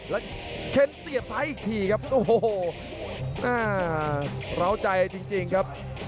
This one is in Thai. แล้วเค้นเสียบซ้ายอีกทีครับโอ้โหอ่าร้าวใจจริงครับ